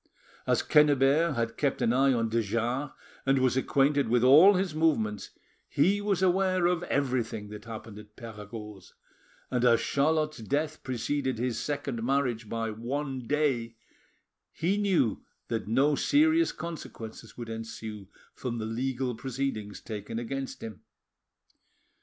As Quennebert had kept an eye on de Jars and was acquainted with all his movements, he was aware of everything that happened at Perregaud's, and as Charlotte's death preceded his second marriage by one day, he knew that no serious consequences would ensue from the legal proceedings taken against him.